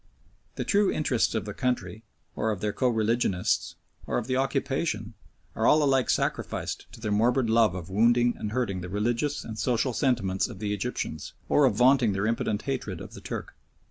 The true interests of the country, or of their co religionists, or of the occupation, are all alike sacrificed to their morbid love of wounding and hurting the religious and social sentiments of the Egyptians, or of venting their impotent hatred of the Turk.